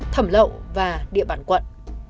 thẩm lậu và địa bàn quận